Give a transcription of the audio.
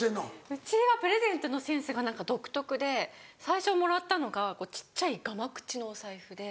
うちはプレゼントのセンスが独特で最初もらったのが小っちゃいがまぐちのお財布で。